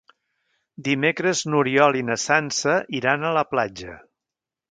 Dimecres n'Oriol i na Sança iran a la platja.